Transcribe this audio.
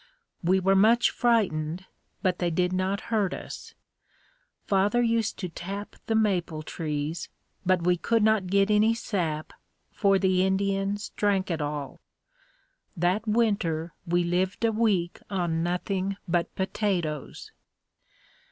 We were much frightened, but they did not hurt us. Father used to tap the maple trees, but we could not get any sap for the Indians drank it all. That winter we lived a week on nothing but potatoes.